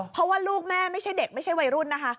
เพราะว่าลูกแม่ไม่ใช่เด็กไม่ใช่วัยรุ่นนะคะ